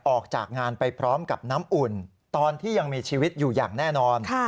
ออกจากงานไปพร้อมกับน้ำอุ่นตอนที่ยังมีชีวิตอยู่อย่างแน่นอน